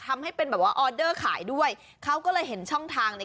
มันผวยไง